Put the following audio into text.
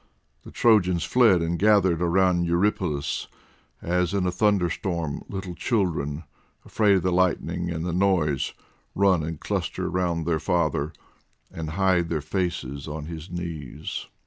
The Trojans fled, and gathered round Eurypylus, as in a thunderstorm little children, afraid of the lightning and the noise, run and cluster round their father, and hide their faces on his knees.